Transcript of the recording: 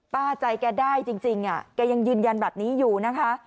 ป้าใจแกได้จริงแกยังยืนยันแบบนี้อยู่นะคะ